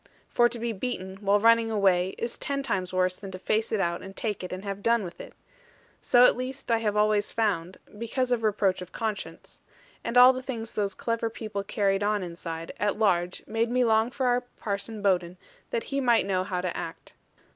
For to be beaten, while running away, is ten times worse than to face it out, and take it, and have done with it. So at least I have always found, because of reproach of conscience: and all the things those clever people carried on inside, at large, made me long for our Parson Bowden that he might know how to act.